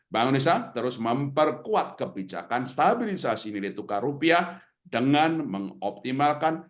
bank indonesia terus memperkuat kebijakan stabilisasi nilai tukar rupiah dengan mengoptimalkan